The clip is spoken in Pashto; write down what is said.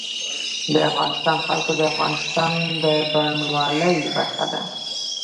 د افغانستان جلکو د افغانستان د بڼوالۍ برخه ده.